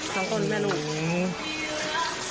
สำคัญแม่ลูก